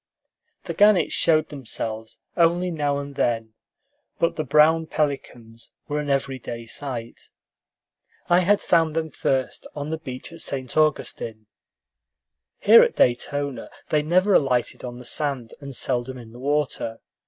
The gannets showed themselves only now and then, but the brown pelicans were an every day sight. I had found them first on the beach at St. Augustine. Here at Daytona they never alighted on the sand, and seldom in the water.